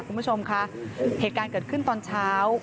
คุณผู้ชมคะเหตุการณ์เกิดขึ้นตอนเช้า